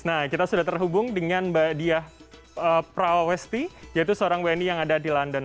nah kita sudah terhubung dengan mbak diah prawesti yaitu seorang wni yang ada di london